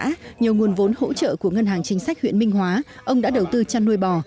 trước đây nhiều nguồn vốn hỗ trợ của ngân hàng chính sách huyện minh hóa ông đã đầu tư trăn nuôi bò